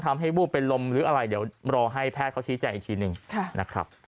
วูบเป็นลมหรืออะไรเดี๋ยวรอให้แพทย์เขาชี้แจงอีกทีหนึ่งนะครับ